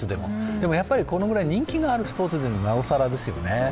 でも、やっぱりこのぐらい人気があるスポーツならなおさらですね。